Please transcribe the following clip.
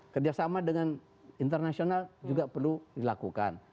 kerjasama dengan internasional juga perlu dilakukan